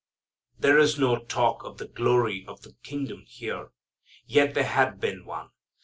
There is no talk of the glory of the kingdom here. Yet there had been once.